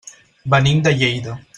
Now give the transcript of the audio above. Venim de Lleida.